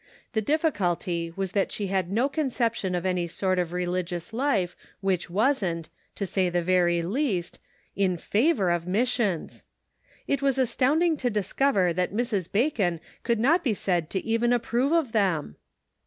The difficulty was that she had no con ception of any sort of religious life which wasn't, to say the very least, in favor of mis sions! It was astounding to discover that Mrs. Bacon could not be said to even approve of them